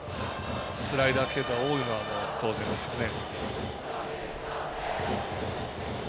スライダー系統が多いのは当然ですよね。